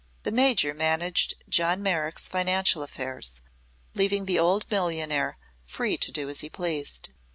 The Major managed John Merrick's financial affairs, leaving the old millionaire free to do as he pleased.